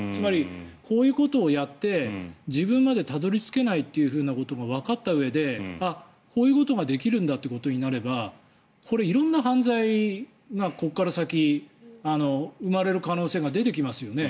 こういうことをやって自分までたどり着けないことがわかったうえで、こういうことができるんだということになればこれ、色んな犯罪がここから先生まれる可能性が出てきますよね。